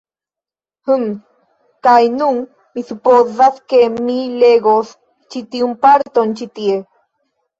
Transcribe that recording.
Hum, kaj nun mi supozas ke mi legos ĉi tiun parton ĉi tie